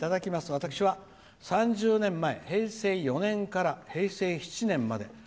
私は３０年前、平成４年から平成７年まで」。